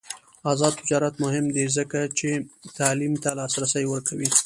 آزاد تجارت مهم دی ځکه چې تعلیم ته لاسرسی ورکوي.